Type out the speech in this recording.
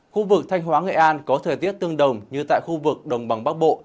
khu vực thanh hóa nghệ an có thời tiết tương đồng như tại khu vực đồng bằng bắc bộ